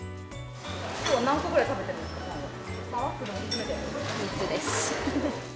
きょう何個ぐらい食べてるん３つです。